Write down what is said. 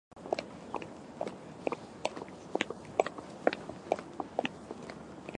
やはり俺の青春ラブコメはまちがっている